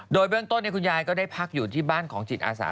โดยเบื้องต้นคุณยายก็ได้พักอยู่ที่บ้านของจิตอาสา